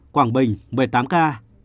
quảng bình một mươi tám ca